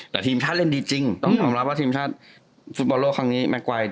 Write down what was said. แต่ทีมชาติเล่นดีจริงต้องรับว่าทีมชาติฟุตบอลโลค่อนนี้